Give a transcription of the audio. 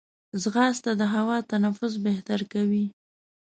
ځغاسته د هوا تنفس بهتر کوي